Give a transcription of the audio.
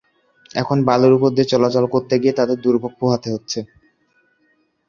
এখন বালুর ওপর দিয়ে চলাচল করতে গিয়ে তাদের দুর্ভোগ পোহাতে হচ্ছে।